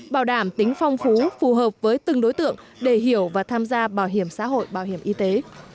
bảo đảm tính phong phú phù hợp với từng đối tượng để hiểu và tham gia bảo hiểm xã hội bảo hiểm y tế